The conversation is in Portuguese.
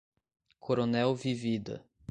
Coronel Vivida